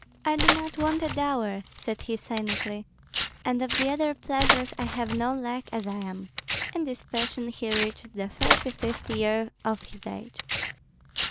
"I do not want a dower," said he, cynically; "and of the other pleasures I have no lack as I am." In this fashion he reached the thirty fifth year of his age.